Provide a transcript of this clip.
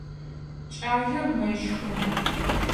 Кӏалэр мэщхы.